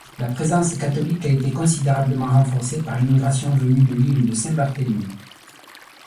La présence catholique a été considérablement renforcée par l'immigration venue de l'île de Saint-Barthélémy.